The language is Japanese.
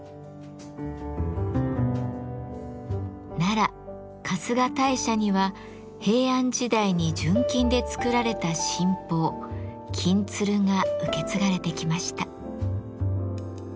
奈良春日大社には平安時代に純金で作られた神宝「金鶴」が受け継がれてきました。